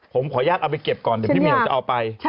ผมขออนุญาตเอาไปเก็บก่อนเดี๋ยวพี่เหี่ยวจะเอาไป